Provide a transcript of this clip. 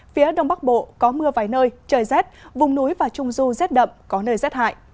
phía đông bắc bộ có mưa vài nơi trời rét vùng núi và trung du rét đậm có nơi rét hại